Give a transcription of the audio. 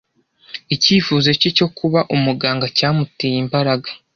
Icyifuzo cye cyo kuba umuganga cyamuteye imbaraga.